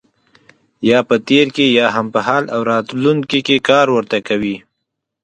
یا په تېر کې یا هم په حال او راتلونکي کې کار ورته کوي.